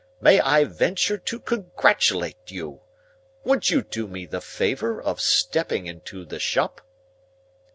May I venture to congratulate you? Would you do me the favour of stepping into the shop?"